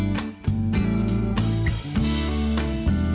tổ chức ngoại trưởng